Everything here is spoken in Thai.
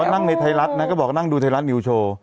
นั่งในไทยรัฐนะก็บอกนั่งดูไทยรัฐนิวโชว์